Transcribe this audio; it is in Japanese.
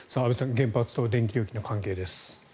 原発と電気料金の関係です。